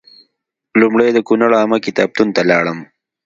لومړی د کونړ عامه کتابتون ته لاړم.